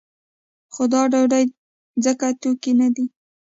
خو دا ډوډۍ ځکه توکی نه دی.